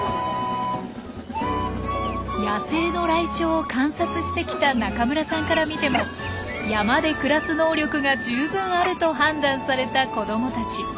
野生のライチョウを観察してきた中村さんから見ても山で暮らす能力が十分あると判断された子どもたち。